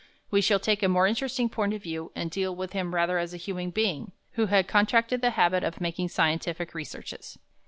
We shall take a more interesting point of view, and deal with him rather as a human being who had contracted the habit of making scientific researches.